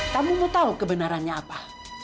kamu mau tahu kebenarannya apa